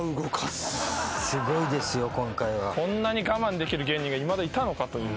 すごいですよ今回は。こんなに我慢できる芸人がいまだいたのかという。